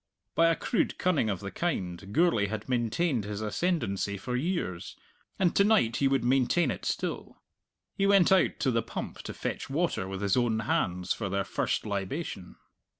By a crude cunning of the kind Gourlay had maintained his ascendancy for years, and to night he would maintain it still. He went out to the pump to fetch water with his own hands for their first libation.